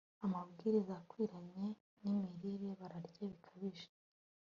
amabwiriza akwiranye nimirire Bararya bikabije